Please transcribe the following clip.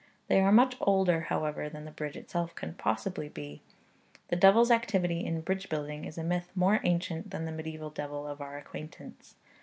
They are much older, however, than the bridge itself can possibly be. The devil's activity in bridge building is a myth more ancient than the medieval devil of our acquaintance.